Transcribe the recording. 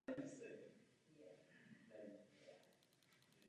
Vznik skalních měst dělíme do čtyř fází.